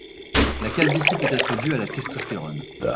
La calvitie peut être due à la testostérone.